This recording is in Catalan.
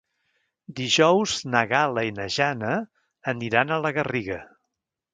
Dijous na Gal·la i na Jana aniran a la Garriga.